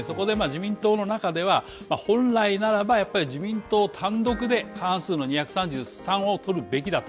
そこで自民党の中では、本来ならばやっぱり自民党単独で過半数の２３３を取るべきだと。